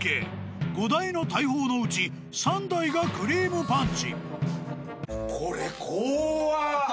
［５台の大砲のうち３台がクリームパンチ］